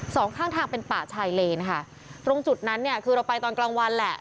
สองข้างทางเป็นป่าชายเลนค่ะตรงจุดนั้นเนี่ยคือเราไปตอนกลางวันแหละ